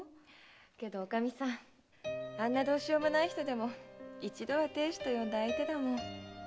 けどおかみさんあんなどうしようもない人でも一度は亭主と呼んだ相手だもの。